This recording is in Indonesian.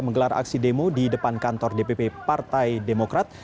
menggelar aksi demo di depan kantor dpp partai demokrat